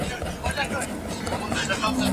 د څېړنیزي مقالې لیکل یوازي د شاګرد خپله دنده ده.